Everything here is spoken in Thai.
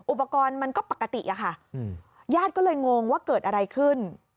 อุปกรณ์มันก็ปกติอะค่ะญาติก็เลยงงว่าเกิดอะไรขึ้น